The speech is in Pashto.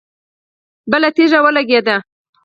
بله تيږه ولګېده.